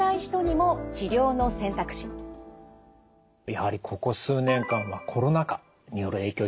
やはりここ数年間はコロナ禍による影響